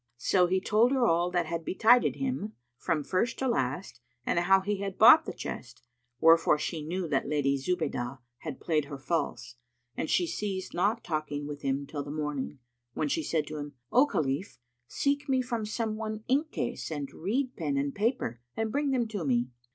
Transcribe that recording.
So he told her all that had betided him, from first to last, and how he had bought the chest; wherefore she knew that the Lady Zubaydah had played her false; and she ceased not talking with him till the morning, when she said to him, "O Khalif, seek me from some one inkcase and reed pen and paper and bring them to me."